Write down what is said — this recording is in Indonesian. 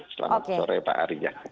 selamat sore pak ari